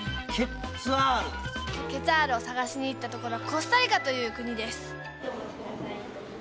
ケツァールを探しに行ったところはコスタリカという国です。